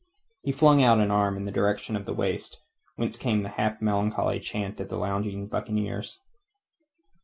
He flung out an arm in the direction of the waist, whence came the half melancholy chant of the lounging buccaneers.